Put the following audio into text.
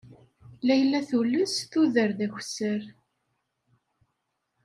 Layla tules tuder d akessar.